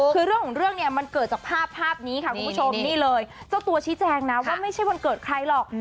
คือเรื่องของเรื่องเนี่ยมันเกิดจากภาพภาพนี้ค่ะคุณผู้ชมนี่เลยเจ้าตัวชี้แจงนะว่าไม่ใช่วันเกิดใครหรอก